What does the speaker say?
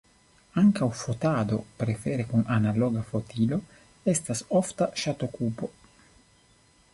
Ankaŭ fotado, prefere kun analoga fotilo, estas ofta ŝatokupo.